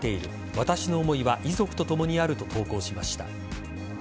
私の思いは遺族とともにあると投稿しました。